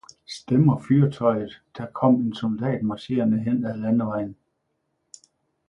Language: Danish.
Stemmer fyrtøjetder kom en soldat marcherende hen ad landevejen